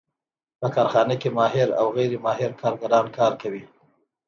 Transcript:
په کارخانه کې ماهر او غیر ماهر کارګران کار کوي